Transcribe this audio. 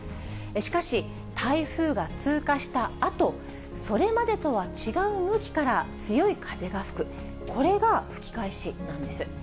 しかし、台風が通過したあと、それまでとは違う向きから強い風が吹く、これが吹き返しなんです。